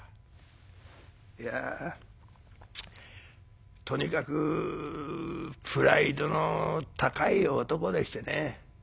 「いやとにかくプライドの高い男でしてね。